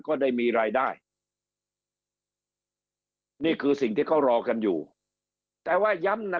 ก็ได้มีรายได้นี่คือสิ่งที่เขารอกันอยู่แต่ว่าย้ำนะ